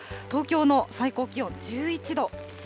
東京の最高気温、１１度。